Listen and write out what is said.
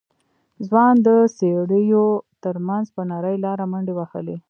ځوان د څېړيو تر منځ په نرۍ لاره منډې وهلې.